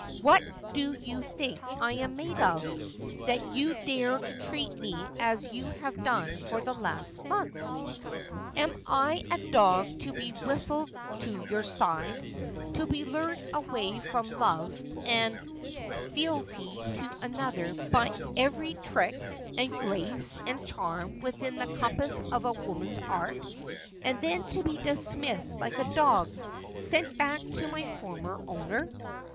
What do you think I am made of, that you dare to treat me as you have done for the last month ? Am I a dog to be whistled to your side, to be lured away from love and fealty to another by every trick, and grace, and charm within the compass of woman's art, and then to be dismissed like a dog — sent back to my former owner